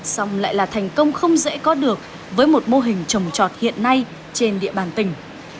xong lại là thành công không dễ có được với một mô hình trồng trọt hiện nay trên địa bàn tỉnh